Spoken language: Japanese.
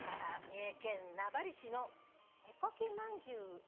三重県名張市のへこきまんじゅう紹介します。